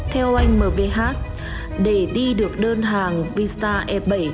theo anh mvh để đi được đơn hàng pista e bảy